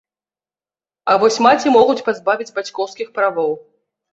А вось маці могуць пазбавіць бацькоўскіх правоў.